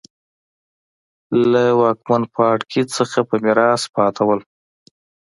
له واکمن پاړکي څخه په میراث پاتې وو.